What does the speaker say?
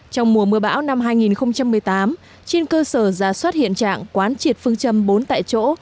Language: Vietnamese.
trong mùa mưa bão năm hai nghìn một mươi tám trên cơ sở giả soát hiện trạng quán triệt phương châm bốn tại chỗ